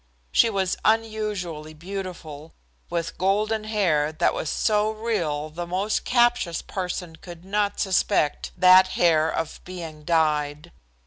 She was unusually beautiful, with golden hair that was so real the most captious person could not suspect that hair of being dyed.